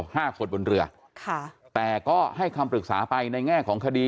ห้าคนบนเรือค่ะแต่ก็ให้คำปรึกษาไปในแง่ของคดี